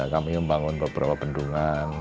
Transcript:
kami membangun beberapa bendungan